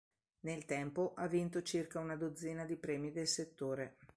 Nel tempo ha vinto circa una dozzina di premi del settore.